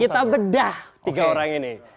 kita bedah tiga orang ini